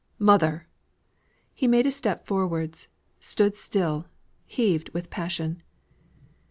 "Mother!" He made a step forwards; stood still; heaved with passion.